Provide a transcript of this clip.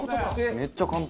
めっちゃ簡単。